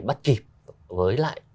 bắt kịp với lại